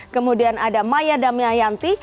kemudian ada maya damayanti